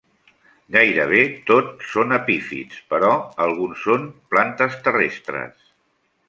Gairebé tot són epífits, però alguns són plantes terrestres.